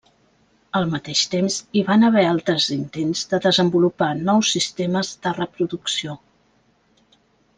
Al mateix temps hi van haver altres intents de desenvolupar nous sistemes de reproducció.